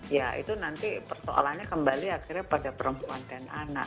ya itu nanti persoalannya kembali akhirnya pada perempuan dan anak